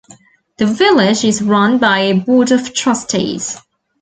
The village is run by a Board of Trustees.